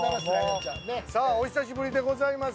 さあ、お久しぶりでございます。